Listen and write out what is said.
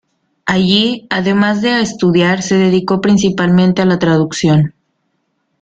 Allí, además de a estudiar, se dedicó principalmente a la traducción.